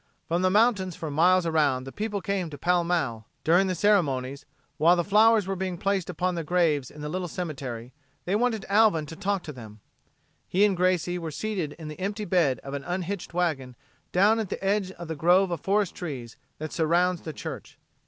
From the mountains for miles around the people came to Pall Mall. During the ceremonies, while the flowers were being placed upon the graves in the little cemetery, they wanted Alvin to talk to them. He and Gracie were seated in the empty bed of an unhitched wagon down at the edge of the grove of forest trees that surrounds the church.